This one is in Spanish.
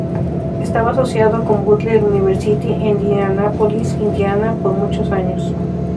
Estaba asociado con Butler University en Indianapolis, Indiana por muchos años.